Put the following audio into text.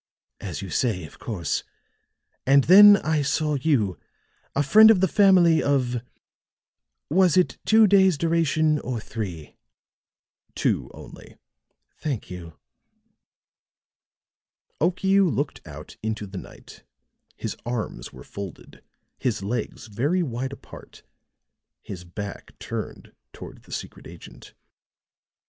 "As you say, of course. And then I saw you a friend of the family of was it two days' duration, or three?" "Two only." "Thank you." Okiu looked out into the night; his arms were folded, his legs very wide apart, his back turned toward the secret agent.